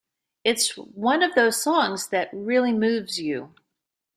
It's one of those songs that really moves you.